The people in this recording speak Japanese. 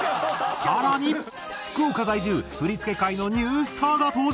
さらに福岡在住振り付け界のニュースターが登場。